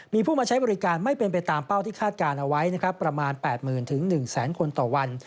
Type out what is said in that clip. มีผู้มาใช้บริการไม่เป็นไปตามเป้าที่คาดการณ์เอาไว้นะครับประมาณ๘๐๐๐๑๐๐๐คนต่อวัน